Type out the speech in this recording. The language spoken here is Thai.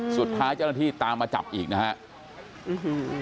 สุดท้ายเจ้าหน้าที่ตามมาจับอีกนะฮะ